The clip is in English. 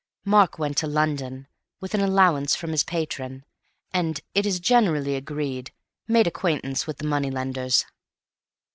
Mark went to London, with an allowance from his patron, and (it is generally agreed) made acquaintance with the money lenders.